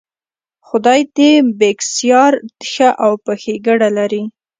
خدای دې بېکسیار ښه او په ښېګړه لري.